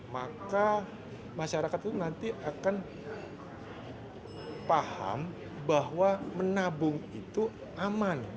maka masyarakat itu nanti akan paham bahwa menabung itu aman